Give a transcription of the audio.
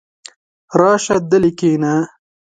راشه دلې کښېنه!